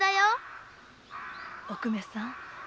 おくめさん